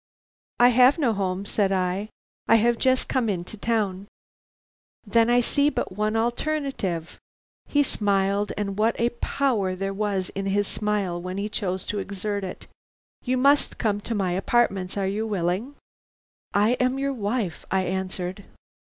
"'I have no home,' said I, 'I have just come into town.' "'Then I see but one alternative.' He smiled, and what a power there was in his smile when he chose to exert it! 'You must come to my apartments; are you willing?' "'I am your wife,' I answered.